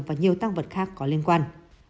và nhiều tăng vật khác có liên quan